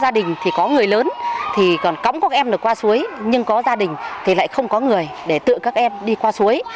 gia đình thì có người lớn thì còn cóg các em được qua suối nhưng có gia đình thì lại không có người để tự các em đi qua suối